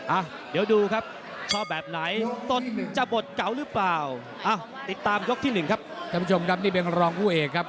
อ้าคู่ซำหน้าที่บนเวทีครับ